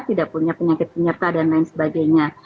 tidak punya penyakit penyerta dan lain sebagainya